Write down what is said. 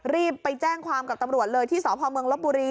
รีบไปแจ้งความกับตำรวจเลยที่สพเมืองลบบุรี